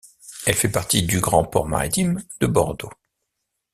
Elle fait partie du grand port maritime de Bordeaux.